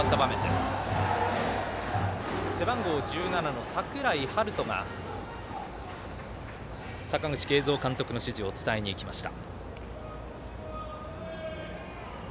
背番号１７、櫻井温大が阪口慶三監督の指示を伝えにいきました。